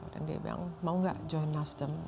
dan dia bilang mau nggak join nasdem